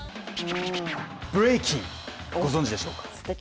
ブレイキン、ご存知でしょうか？